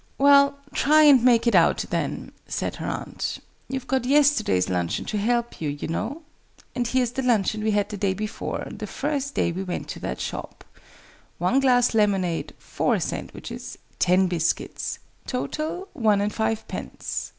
"Well, try and make it out, then," said her aunt. "You've got yesterday's luncheon to help you, you know. And here's the luncheon we had the day before the first day we went to that shop one glass lemonade, four sandwiches, ten biscuits. _Total, one and fivepence.